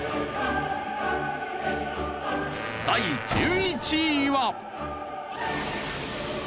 第１１位は。